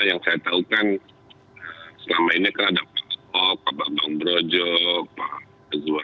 yang saya tahu kan selama ini kan ada pak sok pak bambang brojok pak zuan nath dan lain lain